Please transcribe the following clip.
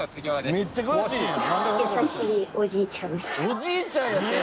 「おじいちゃん」やて！